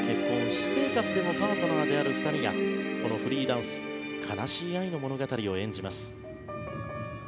私生活でもパートナーである２人がこのフリーダンス悲しい愛の物語を演じます。